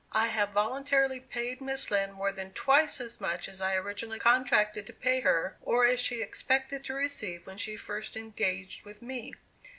I have voluntarily paid Miss Lind more than twice as much as I originally contracted to pay her, or as she expected to receive when she first engaged with me.